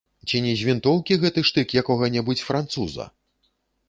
Ці не з вінтоўкі гэты штык якога-небудзь француза?